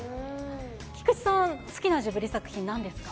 菊池さん、好きなジブリ作品なんですか？